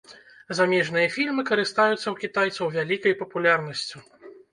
Замежныя фільмы карыстаюцца ў кітайцаў вялікай папулярнасцю.